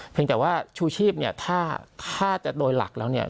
แต่ว่าชูชีพเนี่ยถ้าจะโดยหลักแล้วเนี่ย